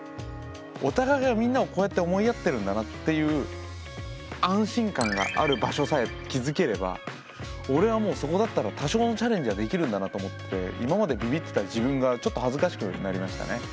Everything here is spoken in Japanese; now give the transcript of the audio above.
お互いがみんなをこうやって思いやってるんだなっていう安心感がある場所さえ築ければ俺はもうそこだったら多少のチャレンジはできるんだなと思ってて今までビビってた自分がちょっと恥ずかしくなりましたね。